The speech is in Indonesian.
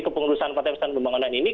kepengurusan partai persatuan pembangunan ini